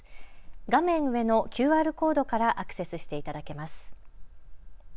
画面上のＱＲコードからアクセスしていただけます。